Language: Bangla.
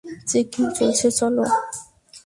চেকিং চলছে, চলো।